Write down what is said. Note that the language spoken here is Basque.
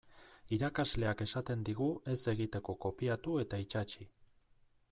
Irakasleak esaten digu ez egiteko kopiatu eta itsatsi.